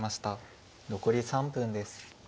残り３分です。